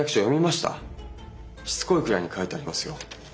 しつこいくらいに書いてありますよ。